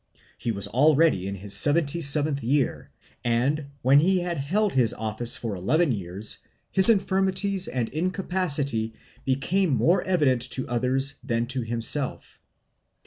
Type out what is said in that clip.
He was already in his seventy seventh year and, when he had held his office for eleven years, his infirmities and in capacity became more evident to others than to himself.